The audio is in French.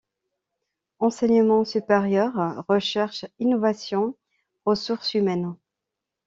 Enseignement supérieur-Recherche-Innovation-Ressources humaines.